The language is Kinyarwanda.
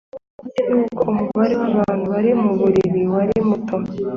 kandi nubwo umubare wabantu bari muburiri wari muto